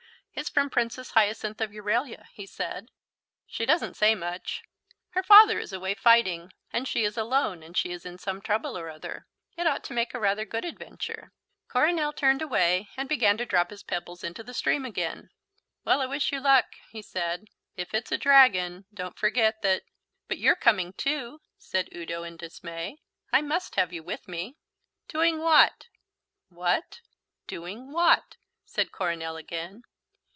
"It's from Princess Hyacinth of Euralia," he said; "she doesn't say much. Her father is away fighting, and she is alone and she is in some trouble or other. It ought to make rather a good adventure." Coronel turned away and began to drop his pebbles into the stream again. "Well, I wish you luck," he said. "If it's a dragon, don't forget that " "But you're coming, too," said Udo, in dismay. "I must have you with me." "Doing what?" "What?" "Doing what?" said Coronel again.